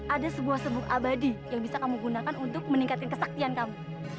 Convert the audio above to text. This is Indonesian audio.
ada sebuah sebuk abadi yang bisa kamu gunakan untuk meningkatkan kesaktian kamu